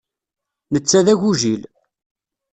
Netta d agujil.